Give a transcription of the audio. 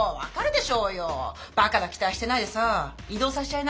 バカな期待してないでさ異動させちゃいな。